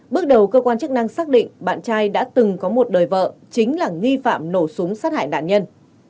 bước đầu cơ quan chức năng xác định bạn trai đã từng có một đời vợ chính là nghi phạm nổ súng sát hại nạn nhân